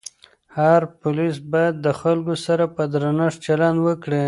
هر پولیس باید د خلکو سره په درنښت چلند وکړي.